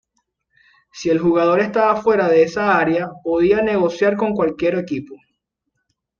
Si el jugador estaba fuera de esa área, podía negociar con cualquier equipo.